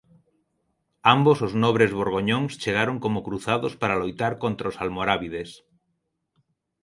Ambos os nobres borgoñóns chegaron como cruzados para loitar contra os almorábides.